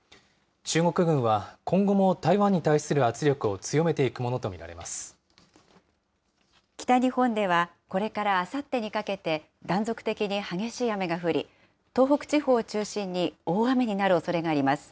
中国軍は、今後も台湾に対する圧北日本では、これからあさってにかけて断続的に激しい雨が降り、東北地方を中心に大雨になるおそれがあります。